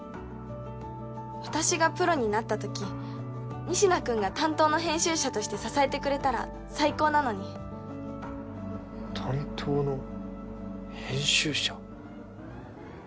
私がプロになったとき仁科君が担当の編集者として支えてくれたら最高なのに担当の編集者？